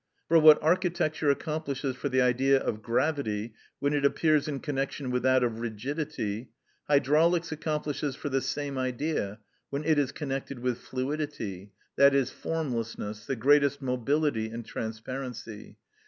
For what architecture accomplishes for the Idea of gravity when it appears in connection with that of rigidity, hydraulics accomplishes for the same Idea, when it is connected with fluidity, i.e., formlessness, the greatest mobility and transparency.